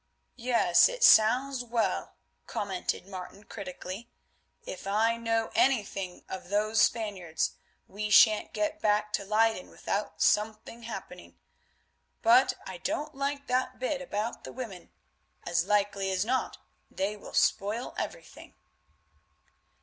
"Yes, it sounds well," commented Martin, critically. "If I know anything of those Spaniards, we shan't get back to Leyden without something happening. But I don't like that bit about the women; as likely as not they will spoil everything."